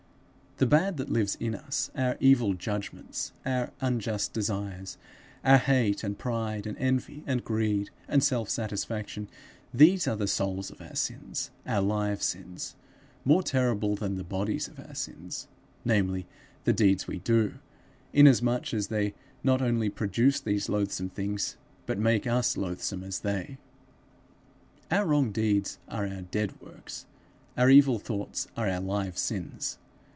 The bad that lives in us, our evil judgments, our unjust desires, our hate and pride and envy and greed and self satisfaction these are the souls of our sins, our live sins, more terrible than the bodies of our sins, namely the deeds we do, inasmuch as they not only produce these loathsome things, but make us loathsome as they. Our wrong deeds are our dead works; our evil thoughts are our live sins.